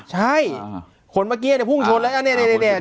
ใช่คนเมื่อกี้เนี่ยพุ่งชนแล้วเนี่ยเนี่ยเนี่ย